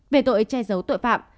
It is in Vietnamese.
về tội che giấu tội phạm